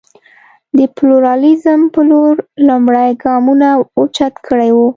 د پلورالېزم په لور لومړ ګامونه اوچت کړي وو.